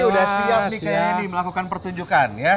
ini udah siap nih kayaknya nih melakukan pertunjukan ya